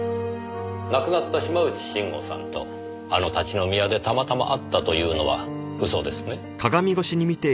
亡くなった島内慎吾さんとあの立ち飲み屋でたまたま会ったというのは嘘ですね。